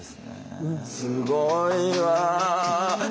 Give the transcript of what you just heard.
すごいわ！